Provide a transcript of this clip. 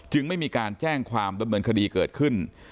ไม่มีการแจ้งความดำเนินคดีเกิดขึ้น